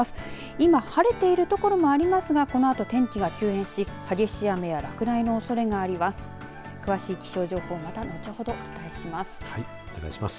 今、晴れている所もありますがこのあと天気が急変し激しい雨や落雷のおそれがあります。